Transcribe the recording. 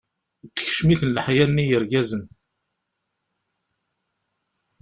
Tekcem-iten leḥya-nni n yirgazen.